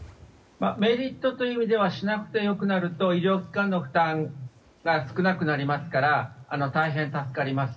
メリットという意味ではしなくてよくなると医療機関の負担が少なくなりますから大変助かります。